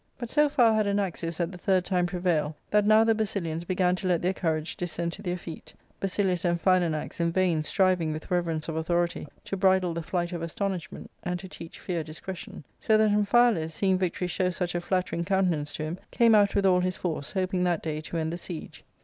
But so far had Anaxius at the third time prevailed that now the Basilians began to let their courage descend to their feet, Basilius and Philanax in vain striving with reverence of authority to bridle the flight of astonishment, and to teach fear discretion ; so that Amphialus, seeing victory show such a flattering countenance to him, came out with all his force, hoping that day to end the siege.